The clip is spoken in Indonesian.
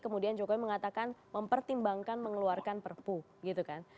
kemudian jokowi mengatakan mempertimbangkan mengeluarkan perpu gitu kan